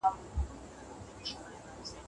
ایا د طبیعي مېوو جوس له بازاري مشروباتو ښه دی؟